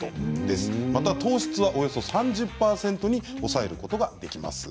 また糖質はおよそ３０％に抑えることができます。